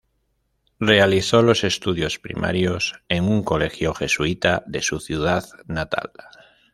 Realizó los estudios primarios en un colegio jesuita de su ciudad natal.